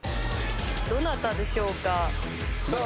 どなたでしょうか？